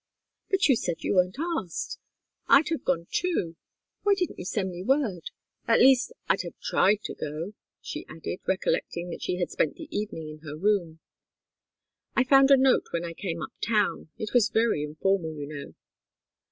"But you said you weren't asked! I'd have gone, too why didn't you send me word? At least I'd have tried to go," she added, recollecting that she had spent the evening in her room. "I found a note when I came up town. It was very informal, you know."